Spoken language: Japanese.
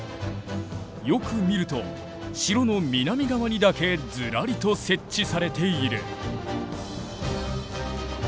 よく見ると城の南側にだけずらりと設置されている。